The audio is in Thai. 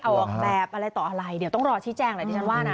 ออกแบบอะไรต่ออะไรเดี๋ยวต้องรอชี้แจงแหละที่ฉันว่านะ